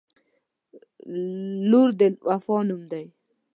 • لور د وفا نوم دی.